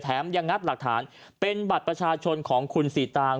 ยังงัดหลักฐานเป็นบัตรประชาชนของคุณสีตาง